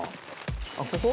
あっここ？